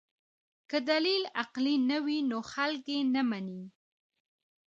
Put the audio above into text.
که دلیل عقلي نه وي نو خلک یې نه مني.